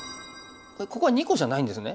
ここは２個じゃないんですね。